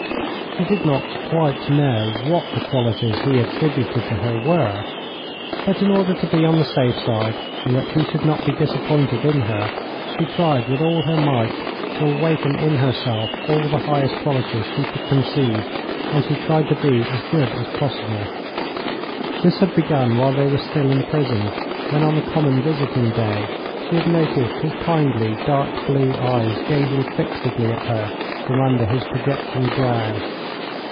She did not quite know what the qualities he attributed to her were, but in order to be on the safe side and that he should not be disappointed in her, she tried with all her might to awaken in herself all the highest qualities she could conceive, and she tried to be as good as possible. This had begun while they were still in prison, when on a common visiting day she had noticed his kindly dark blue eyes gazing fixedly at her from under his projecting brow.